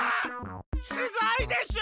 すごいでしょ！